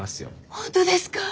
本当ですか！？